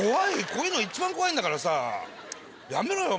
こういうの一番怖いんだからさやめろよ。